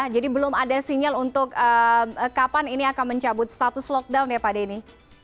belum ada sinyal untuk kapan ini akan mencabut status lockdown ya pak denny